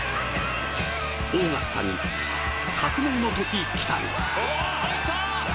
オーガスタに革命の時、来たり。